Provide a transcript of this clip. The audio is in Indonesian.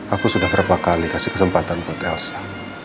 aku sudah berapa kali kasih kesempatan buat elsa